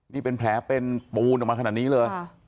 นี่เป็นแผลเป็นปูนออกมาขนาดนี้เลย